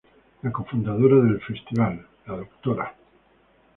La co-fundadora del Festival, Dra.